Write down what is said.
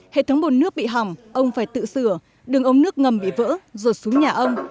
hệ thống bồn nước bị hỏng ông phải tự sửa đường ống nước ngầm bị vỡ rồi xuống nhà ông